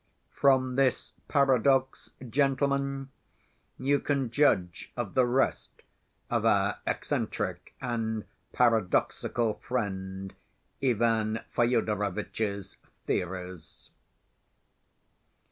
From this paradox, gentlemen, you can judge of the rest of our eccentric and paradoxical friend Ivan Fyodorovitch's theories."